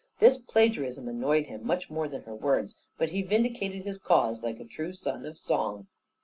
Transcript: This plagiarism annoyed him much more than her words: but he vindicated his cause, like a true son of song.